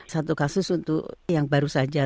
satu kasus untuk yang baru saja